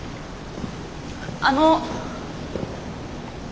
あの。